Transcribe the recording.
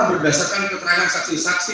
berdasarkan keterangan saksi saksi